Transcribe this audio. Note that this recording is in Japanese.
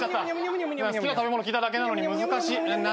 好きな食べ物聞いただけなのに難しい。